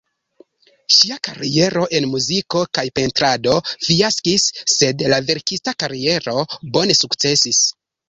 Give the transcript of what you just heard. Ŝia kariero en muziko kaj pentrado fiaskis, sed la verkista kariero bone sukcesis.